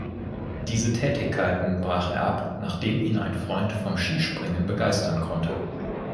Diese Tätigkeiten brach er ab, nachdem ihn ein Freund vom Skispringen begeistern konnte.